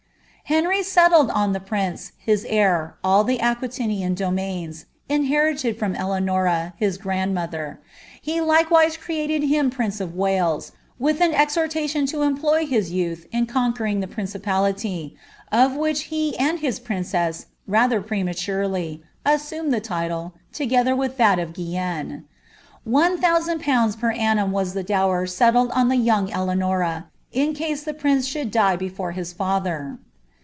^ enry settled on the prince, his heir, all the Aquitanian domains, rited from Eleanora, his grandmother; he likewise created him ce of Wales, with an exhortation to employ his youth in conquering principality, of which he and his princess, rather prematurely, mad the title, together with that of Guienne. One thousand pounds annam was the dower settled on the young Eleanora, in case the ee should die before his father.